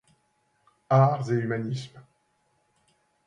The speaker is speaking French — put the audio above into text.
Arts et humanisme.